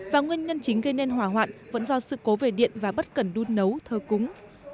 và nguyên nhân chính gây nên hỏa hoạn vẫn do sự cố về điện và bất cần đun nấu thờ cúng